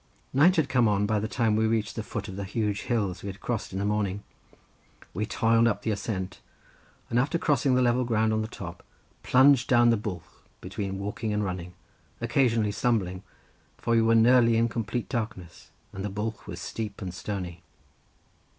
Night had come on by the time we reached the foot of the huge hills we had crossed in the morning. We toiled up the ascent, and after crossing the level ground on the top, plunged down the bwlch between walking and running, occasionally stumbling, for we were nearly in complete darkness, and the bwlch was steep and stony.